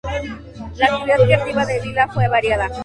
La actividad creativa de Vila fue variada.